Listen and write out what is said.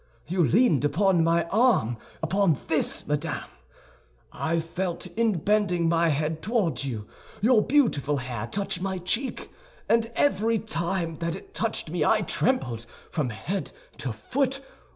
You leaned upon my arm—upon this, madame! I felt, in bending my head toward you, your beautiful hair touch my cheek; and every time that it touched me I trembled from head to foot.